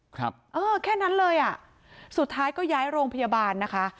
ครับเออแค่นั้นเลยอ่ะสุดท้ายก็ย้ายโรงพยาบาลนะคะ